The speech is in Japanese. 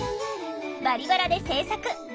「バリバラ」で制作！